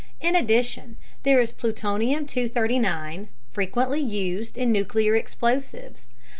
In addition, there is plutonium 239, frequently used in nuclear explosives.